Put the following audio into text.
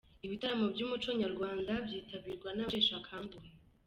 Ibitaramo by' umuco nyarwanda byitabirwa n' abasheshe akanguhe.